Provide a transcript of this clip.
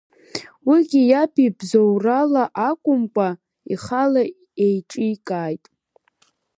Уигьы иаб ибзоурала акәымкәа, ихала еиҿикааит.